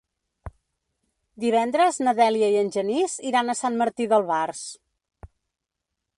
Divendres na Dèlia i en Genís iran a Sant Martí d'Albars.